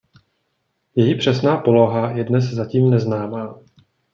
Její přesná poloha je dnes zatím neznámá.